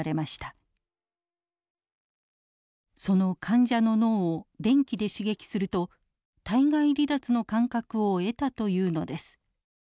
その患者の脳を電気で刺激すると体外離脱の感覚を得たというのです。